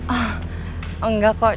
oh enggak kok